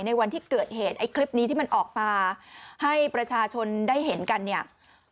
วันที่เกิดเหตุไอ้คลิปนี้ที่มันออกมาให้ประชาชนได้เห็นกันเนี่ย